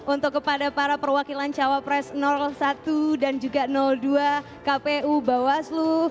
untuk kepada para perwakilan cawapres satu dan juga dua kpu bawaslu